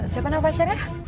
siapa namanya pacarnya